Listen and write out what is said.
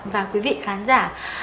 và quý vị khán giả